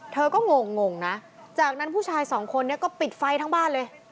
เธอก็งงงนะจากนั้นผู้ชายสองคนนี้ก็ปิดไฟทั้งบ้านเลย